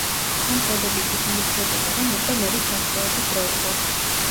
ამ წოდებით იგულისხმებოდა, რომ უკვე მერის გათხოვების დრო იყო.